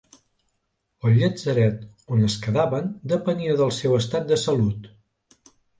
El llatzeret on es quedaven depenia del seu estat de salut.